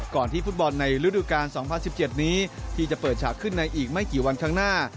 ที่ฟุตบอลในฤดูกาล๒๐๑๗นี้ที่จะเปิดฉากขึ้นในอีกไม่กี่วันข้างหน้า